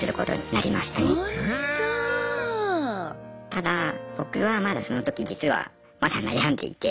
ただ僕はまだその時実はまだ悩んでいて。